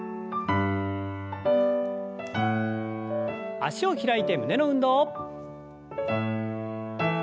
脚を開いて胸の運動。